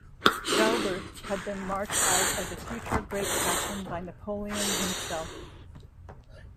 Joubert had been marked out as a future great captain by Napoleon himself.